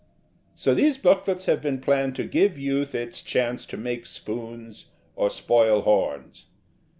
So these booklets have been planned to give youth its chance to make spoons or spoil horns.